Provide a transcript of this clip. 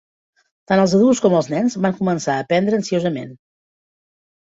Tant els adults com els nens van començar a aprendre ansiosament.